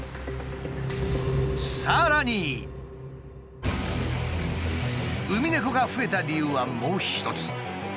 さらにウミネコが増えた理由はもう一つ。